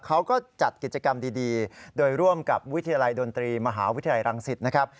เขาก็จัดกิจกรรมดีโดยร่วมกับวิทยาลัยดนตรีมหาวิทยาลัยรังสิตนะครับ